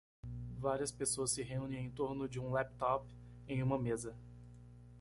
Várias pessoas se reúnem em torno de um laptop em uma mesa.